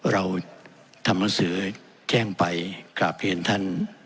เราทำหนังสือแจ้งไปกราบเรียนท่าน